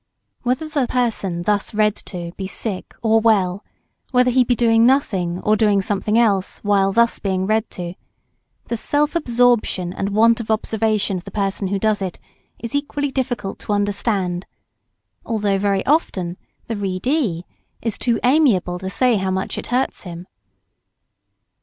Whether the person thus read to be sick or well, whether he be doing nothing or doing something else while being thus read to, the self absorption and want of observation of the person who does it, is equally difficult to understand although very often the read_ee_ is too amiable to say how much it hurts him.